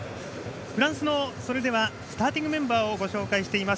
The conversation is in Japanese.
フランスのスターティングメンバーをご紹介しています。